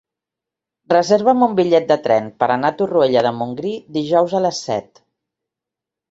Reserva'm un bitllet de tren per anar a Torroella de Montgrí dijous a les set.